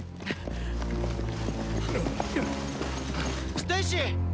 ステイシー！